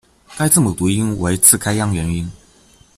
该字母读音为次开央元音。